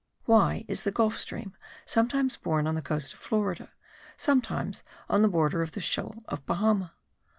Why is the Gulf stream sometimes borne on the coast of Florida, sometimes on the border of the shoal of Bahama?